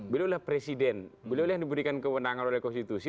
beliau adalah presiden beliau yang diberikan kewenangan oleh konstitusi